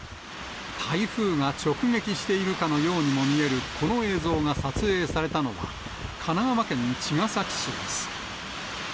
台風が直撃しているかのようにも見えるこの映像が撮影されたのは、神奈川県茅ヶ崎市です。